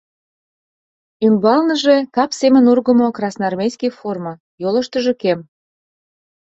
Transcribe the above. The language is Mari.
Ӱмбалныже — кап семын ургымо красноармейский форма, йолыштыжо кем.